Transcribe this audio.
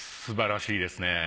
すばらしいですね。